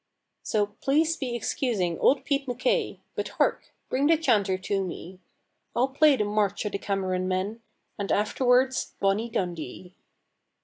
"So please be excusing old Pete MacKay But hark! bring the chanter to me, I'll play the 'March o' the Cameron Men,' And afterward 'Bonnie Dundee.'"